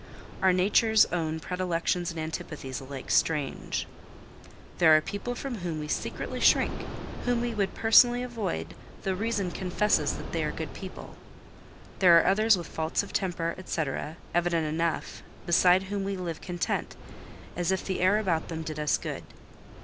Our natures own predilections and antipathies alike strange. There are people from whom we secretly shrink, whom we would personally avoid, though reason confesses that they are good people: there are others with faults of temper, &c., evident enough, beside whom we live content, as if the air about them did us good.